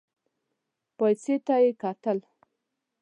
پايڅې ته يې وکتل.